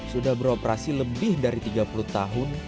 sudah beroperasi lebih dari tiga puluh tahun